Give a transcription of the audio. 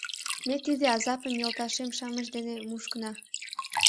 Ме тиде азапым йолташем-шамыч дене мушкына».